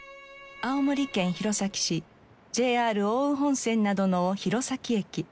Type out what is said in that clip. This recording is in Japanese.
青森県弘前市ＪＲ奥羽本線などの弘前駅。